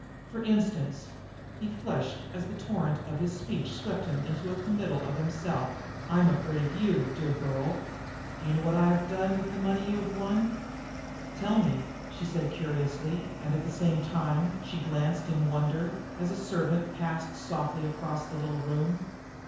For instance" he flushed as the torrent of his speech swept him into a committal of himself "I am afraid of you, dear girl. Do you know what I have done with the money you've won?" "Tell me," she said curiously, and, at the same time, she glanced in wonder, as a servant passed softly across the little room.